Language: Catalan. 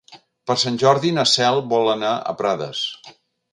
Per Sant Jordi na Cel vol anar a Prades.